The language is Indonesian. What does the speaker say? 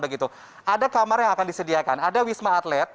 ada kamar yang akan disediakan ada wisma atlet